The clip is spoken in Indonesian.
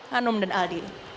hanum dan aldi